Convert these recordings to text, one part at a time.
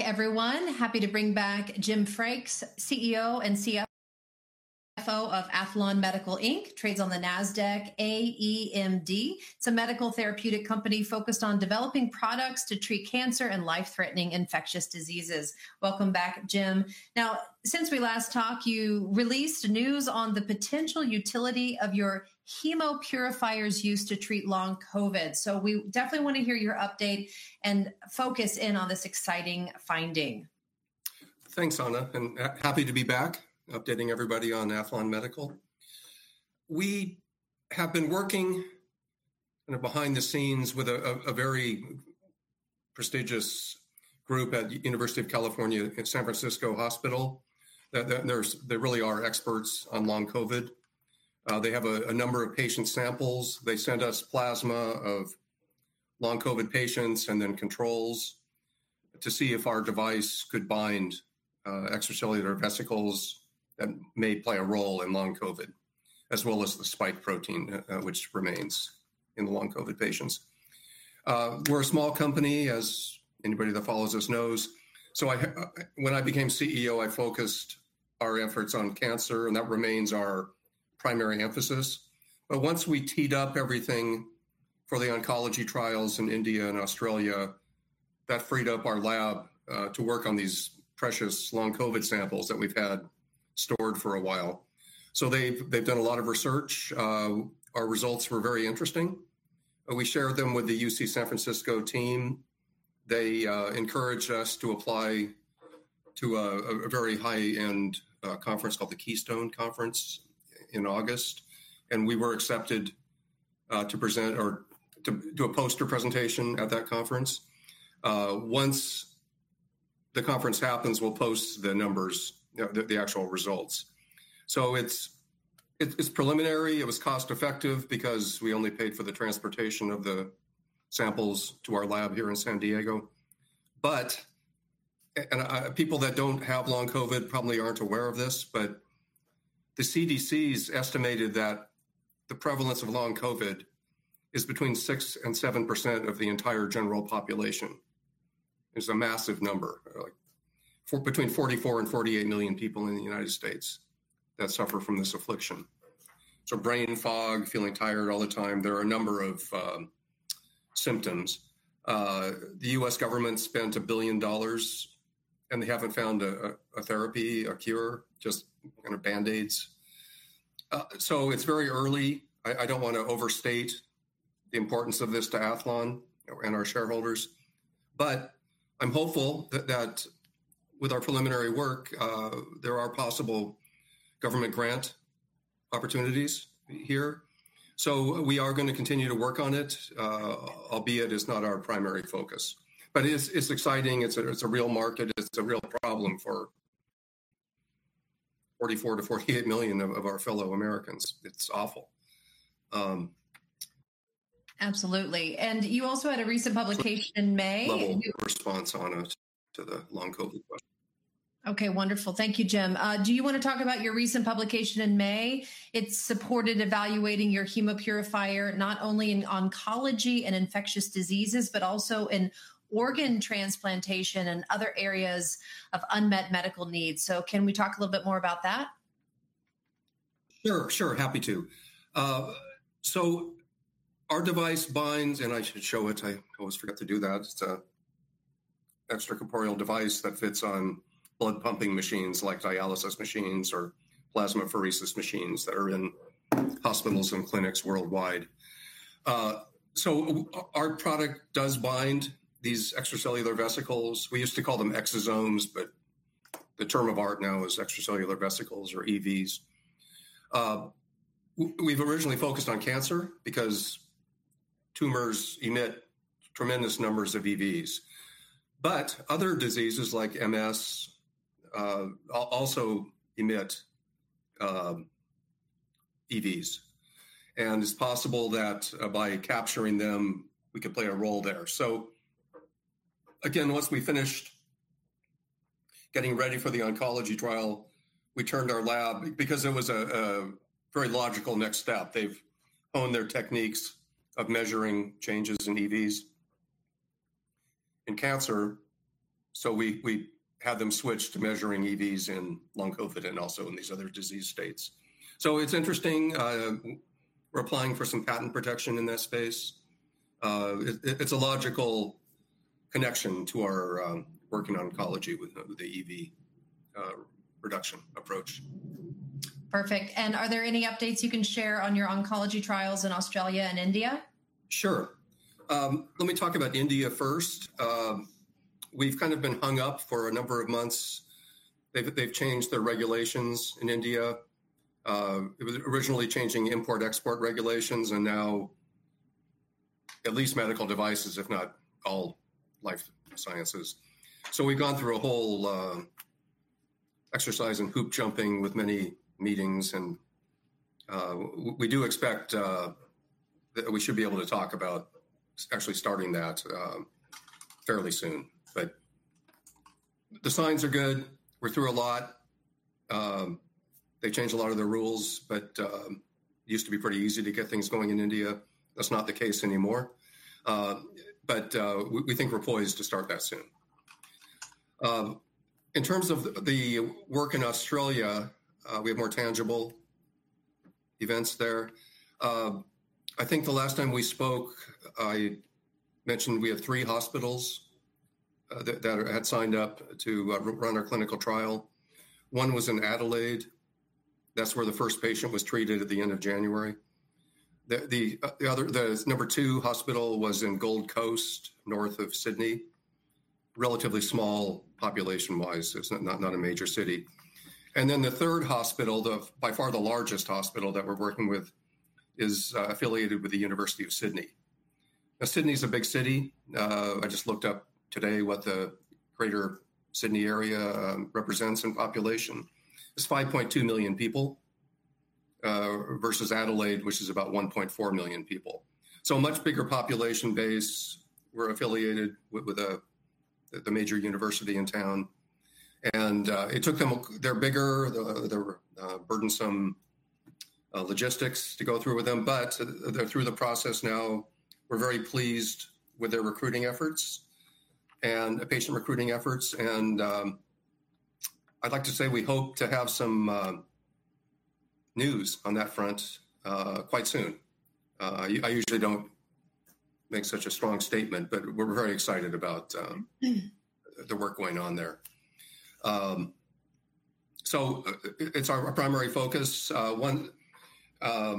Back, everyone. Happy to bring back Jim Frakes, CEO and CFO of Aethlon Medical. Trades on the Nasdaq AEMD. It's a medical therapeutic company focused on developing products to treat cancer and life-threatening infectious diseases. Welcome back, Jim. Now, since we last talked, you released news on the potential utility of your chemo purifiers used to treat long COVID. So we definitely want to hear your update and focus in on this exciting finding. Thanks, Anna, and happy to be back, updating everybody on Aethlon Medical. We have been working behind the scenes with a very prestigious group at the University of California at San Francisco Hospital. There really are experts on long COVID. They have a number of patient samples. They send us plasma of long COVID patients and then controls to see if our device could bind extracellular vesicles that may play a role in long COVID, as well as the spike protein, which remains in the long COVID patients. We're a small company, as anybody that follows us knows. When I became CEO, I focused our efforts on cancer, and that remains our primary emphasis. Once we teed up everything for the oncology trials in India and Australia, that freed up our lab to work on these precious long COVID samples that we've had stored for a while. They've done a lot of research. Our results were very interesting. We shared them with the UC San Francisco team. They encouraged us to apply to a very high-end conference called the Keystone Conference in August. We were accepted to present or to a poster presentation at that conference. Once the conference happens, we'll post the numbers, the actual results. It's preliminary. It was cost-effective because we only paid for the transportation of the samples to our lab here in San Diego. People that don't have long COVID probably aren't aware of this, but the CDC has estimated that the prevalence of long COVID is between 6% and 7% of the entire general population. It's a massive number, between 44 million and 48 million people in the United States that suffer from this affliction. Brain fog, feeling tired all the time. There are a number of symptoms. The U.S. government spent $1 billion, and they haven't found a therapy, a cure, just kind of Band-Aids. It is very early. I don't want to overstate the importance of this to Aethlon and our shareholders. I'm hopeful that with our preliminary work, there are possible government grant opportunities here. We are going to continue to work on it, albeit it's not our primary focus. It is exciting. It is a real market. It is a real problem for 44-48 million of our fellow Americans. It's awful. Absolutely. You also had a recent publication in May. Level of response on it to the long COVID question. OK, wonderful. Thank you, Jim. Do you want to talk about your recent publication in May? It supported evaluating your chemo purifier not only in oncology and infectious diseases, but also in organ transplantation and other areas of unmet medical needs. Can we talk a little bit more about that? Sure, sure. Happy to. Our device binds, and I should show it. I always forget to do that. It is an extracorporeal device that fits on blood pumping machines like dialysis machines or plasmapheresis machines that are in hospitals and clinics worldwide. Our product does bind these extracellular vesicles. We used to call them exosomes, but the term of art now is extracellular vesicles or EVs. We have originally focused on cancer because tumors emit tremendous numbers of EVs. Other diseases like MS also emit EVs. It is possible that by capturing them, we could play a role there. Once we finished getting ready for the oncology trial, we turned our lab because it was a very logical next step. They have honed their techniques of measuring changes in EVs in cancer. We had them switch to measuring EVs in long COVID and also in these other disease states. It's interesting. We're applying for some patent protection in that space. It's a logical connection to our work in oncology with the EV reduction approach. Perfect. Are there any updates you can share on your oncology trials in Australia and India? Sure. Let me talk about India first. We've kind of been hung up for a number of months. They've changed their regulations in India. It was originally changing import-export regulations, and now at least medical devices, if not all life sciences. So we've gone through a whole exercise in hoop jumping with many meetings. We do expect that we should be able to talk about actually starting that fairly soon. The signs are good. We're through a lot. They changed a lot of the rules. It used to be pretty easy to get things going in India. That's not the case anymore. We think we're poised to start that soon. In terms of the work in Australia, we have more tangible events there. I think the last time we spoke, I mentioned we have three hospitals that had signed up to run our clinical trial. One was in Adelaide. That's where the first patient was treated at the end of January. The number two hospital was in Gold Coast, north of Sydney, relatively small population-wise. It's not a major city. The third hospital, by far the largest hospital that we're working with, is affiliated with the University of Sydney. Now, Sydney is a big city. I just looked up today what the greater Sydney area represents in population. It's 5.2 million people versus Adelaide, which is about 1.4 million people. A much bigger population base. We're affiliated with the major university in town. It took them longer. There were burdensome logistics to go through with them. They're through the process now. We're very pleased with their recruiting efforts and patient recruiting efforts. I'd like to say we hope to have some news on that front quite soon. I usually don't make such a strong statement, but we're very excited about the work going on there. It's our primary focus. One, at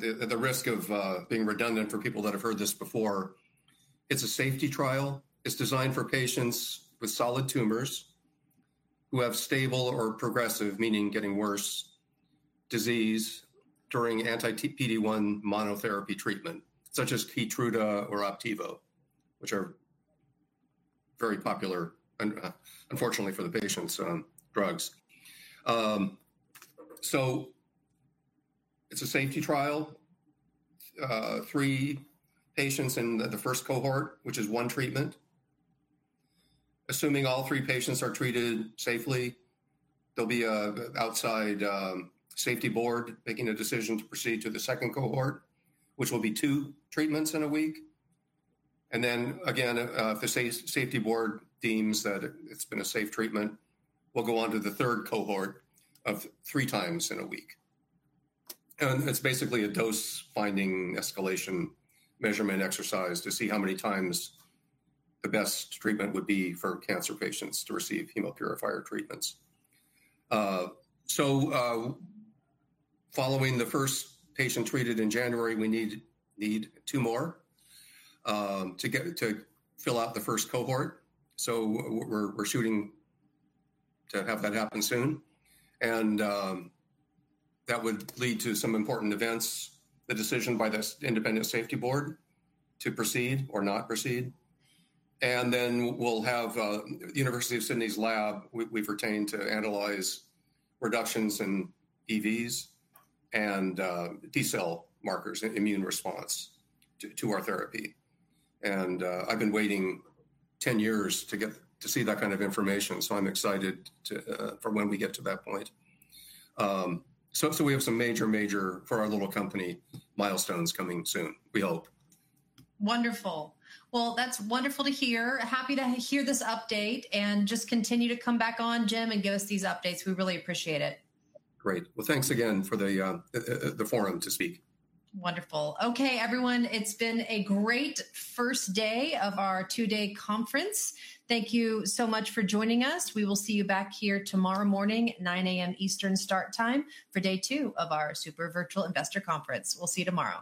the risk of being redundant for people that have heard this before, it's a safety trial. It's designed for patients with solid tumors who have stable or progressive, meaning getting worse, disease during anti-PD-1 monotherapy treatment, such as Keytruda or Opdivo, which are very popular, unfortunately, for the patients, drugs. It's a safety trial. Three patients in the first cohort, which is one treatment. Assuming all three patients are treated safely, there will be an outside safety board making a decision to proceed to the second cohort, which will be two treatments in a week. If the safety board deems that it's been a safe treatment, we'll go on to the third cohort of three times in a week. It is basically a dose-finding escalation measurement exercise to see how many times the best treatment would be for cancer patients to receive chemo purifier treatments. Following the first patient treated in January, we need two more to fill out the first cohort. We are shooting to have that happen soon. That would lead to some important events, the decision by this independent safety board to proceed or not proceed. We will have the University of Sydney's lab we have retained to analyze reductions in EVs and T cell markers and immune response to our therapy. I have been waiting 10 years to see that kind of information. I am excited for when we get to that point. We have some major, major for our little company milestones coming soon, we hope. Wonderful. That's wonderful to hear. Happy to hear this update and just continue to come back on, Jim, and give us these updates. We really appreciate it. Great. Thanks again for the forum to speak. Wonderful. OK, everyone, it's been a great first day of our two-day conference. Thank you so much for joining us. We will see you back here tomorrow morning, 9:00 A.M. Eastern start time, for day two of our Super Virtual Investor Conference. We'll see you tomorrow.